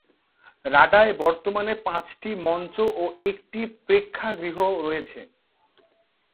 রাডায় বর্তমানে পাঁচটি মঞ্চ ও একটি প্রেক্ষাগৃহ রয়েছে।